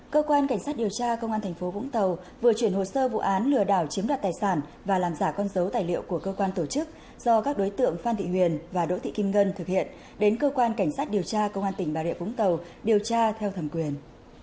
cơ quan cảnh sát điều tra công an tp vũng tàu vừa chuyển hồ sơ vụ án lừa đảo chiếm đoạt tài sản và làm giả con dấu tài liệu của cơ quan tổ chức do các đối tượng phan thị huyền và đỗ thị kim ngân thực hiện đến cơ quan cảnh sát điều tra công an tỉnh bà rịa vũng tàu điều tra theo thẩm quyền